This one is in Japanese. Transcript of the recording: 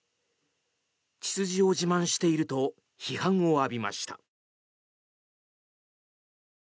血筋を自慢していると批判を浴びました。